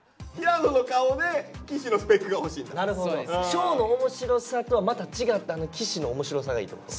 紫耀の面白さとはまた違ったあの岸の面白さがいいってこと？